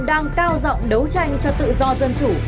đang cao rộng đấu tranh cho tự do dân chủ